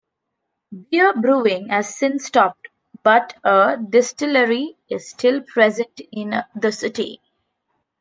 Beer brewing has since stopped, but a distillery is still present in the city.